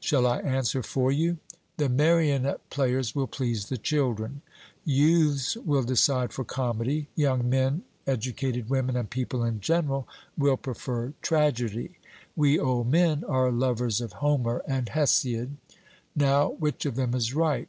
Shall I answer for you? the marionette players will please the children; youths will decide for comedy; young men, educated women, and people in general will prefer tragedy; we old men are lovers of Homer and Hesiod. Now which of them is right?